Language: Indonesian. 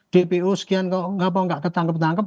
dpo sekian gak mau gak ketangkep tangkep